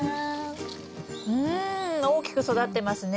うん大きく育ってますね。